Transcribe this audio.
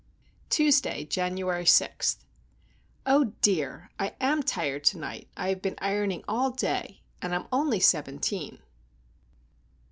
Tuesday, January 6. Oh, dear! I am tired to night. I have been ironing all day,—and I'm only seventeen.